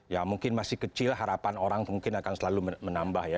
ya mungkin masih kecil harapan orang mungkin akan selalu menambah ya